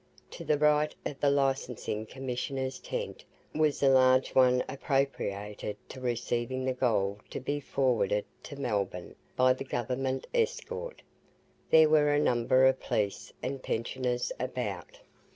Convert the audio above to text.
To the right of the Licensing Commissioners' tent was a large one appropriated to receiving the gold to be forwarded to Melbourne by the Government escort. There were a number of police and pensioners about.